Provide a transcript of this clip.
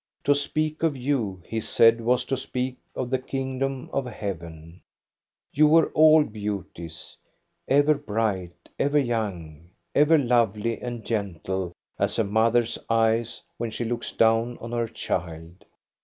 To speak of you, he said, was to speak of the kingdom of heaven : you were all beauties, ever bright, ever young, ever lovely and gentle as a mother's eyes when she looks down on her child.